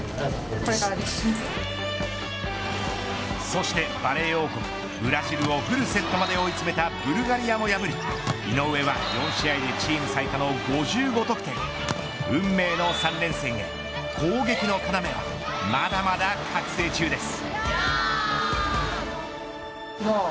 そしてバレー王国ブラジルをフルセットまで追い詰めたブルガリアも破り井上は４試合でチーム最多の５５得点運命の３連戦へ攻撃の要まだまだ覚醒中です。